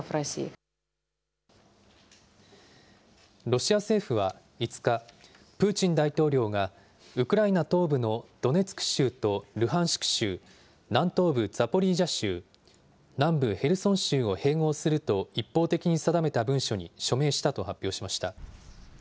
ロシア政府は５日、プーチン大統領が、ウクライナ東部のドネツク州とルハンシク州、南東部ザポリージャ州、南部ヘルソン州を併合すると一方的に定めた文書に署名したと発表しました。